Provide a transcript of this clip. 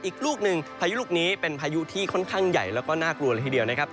อีกลูกหนึ่งพายุลูกนี้เป็นพายุที่ค่อนข้างใหญ่แล้วก็น่ากลัวเลยทีเดียวนะครับ